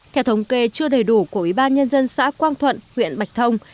theo thống kê chưa đầy đủ của ủy ban nhân dân xã quang thuận huyện bạch thông